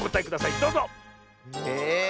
どうぞ！え。